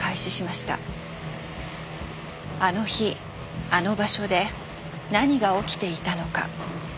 あの日あの場所で何が起きていたのか。